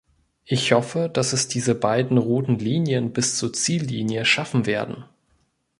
Ich hoffe, dass es diese beiden roten Linien bis zur Ziellinie schaffen werden.